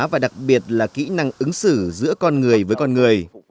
và đặc biệt là kỹ năng ứng xử giữa con người với con người